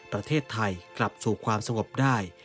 ประเทศไทยกลับสู่ความสงบได้